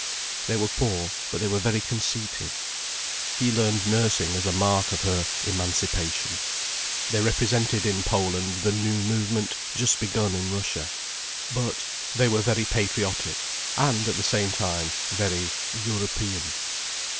They were poor, but they were very conceited. She learned nursing as a mark of her emancipation. They represented in Poland the new movement just begun in Russia. But they were very patriotic: and, at the same time, very "European".